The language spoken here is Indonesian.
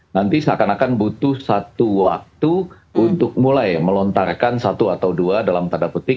nanti seakan akan butuh satu waktu untuk mulai melontarkan satu atau dua dalam tanda putih